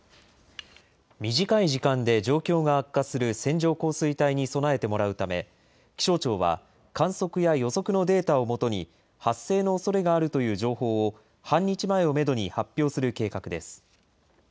短い時間で状況が悪化する線状降水帯に備えてもらうため、気象庁は、観測や予測のデータを基に、発生のおそれがあるという情報を、半日前をメドに発表する計画です。